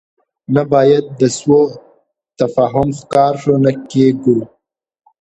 نه باید د سوء تفاهم ښکار شو، نه کېږو.